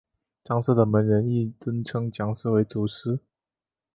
章氏的门人亦尊蒋氏为师祖。